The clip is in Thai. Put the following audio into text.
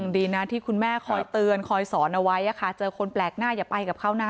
ดีนะคุณแม่ครอยเตือนจะคนแปลกหน้าอย่าไปกับเขานะ